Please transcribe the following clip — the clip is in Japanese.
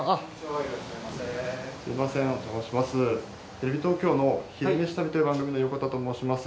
テレビ東京の「昼めし旅」という番組の横田と申します。